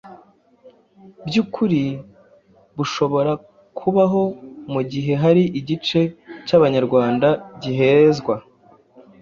bwukuri bushobora kubaho mu gihe hari igice cy'Abanyarwanda gihezwa